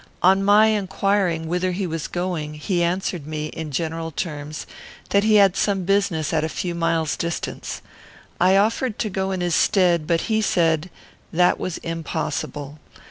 On my inquiring whither he was going, he answered me, in general terms, that he had some business at a few miles' distance. I offered to go in his stead, but he said that was impossible.